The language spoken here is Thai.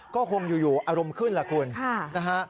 ก็คงอยู่อารมณ์ขึ้นเหรอคุณค่ะค่ะ